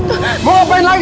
dulu bapak kamu pergi